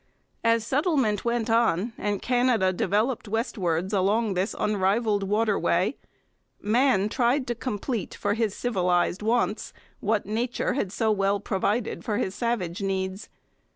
As settlement went on and Canada developed westwards along this unrivalled waterway man tried to complete for his civilized wants what nature had so well provided for his savage needs.